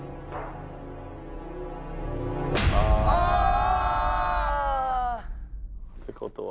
あぁ！ってことは。